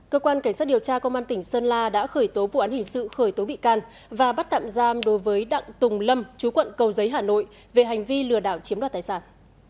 cơ quan cảnh sát điều tra công an tỉnh sơn la đã khởi tố vụ án hình sự khởi tố bị can và bắt tạm giam đối với đặng tùng lâm chú quận cầu giấy hà nội về hành vi lừa đảo chiếm đoạt tài sản